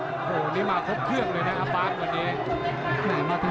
โอ้โหนี่มาครบเครื่องเลยนะครับบาสวันนี้